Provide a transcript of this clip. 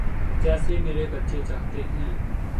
جیسے میرے بچے چاہتے ہیں۔